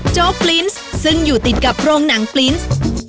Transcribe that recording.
โจ๊กปลิ้นซ์ซึ่งอยู่ติดกับโรงหนังปลินส์